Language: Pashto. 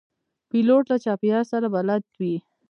پیلوټ له چاپېریال سره بلد وي.